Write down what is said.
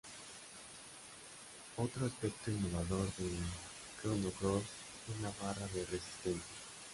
Otro aspecto innovador de "Chrono Cross" es la barra de resistencia.